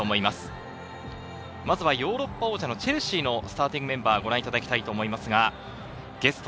まずはヨーロッパ王者のチェルシーのスターティングメンバーをご覧いただきたいと思います。